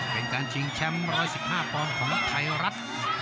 เป็นการชิงแชมป์๑๑๕ปอนด์ของไทยรัฐ